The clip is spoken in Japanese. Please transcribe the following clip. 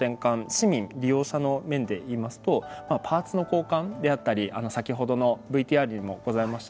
市民、利用者の面でいいますとパーツの交換であったり先ほどのＶＴＲにもございました